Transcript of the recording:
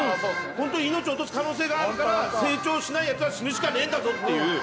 ほんとに命落とす可能性があるから成長しないやつは死ぬしかねぇんだぞっていう。